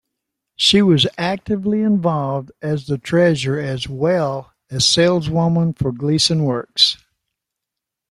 She was actively involved as the treasurer as well as saleswoman for Gleason Works.